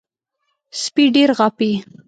سپي ډېر غاپي .